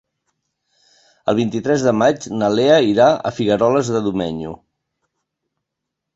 El vint-i-tres de maig na Lea irà a Figueroles de Domenyo.